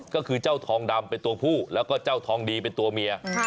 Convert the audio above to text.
ก็คือเจ้าทองดำเป็นตัวผู้แล้วก็เจ้าทองดีเป็นตัวเมีย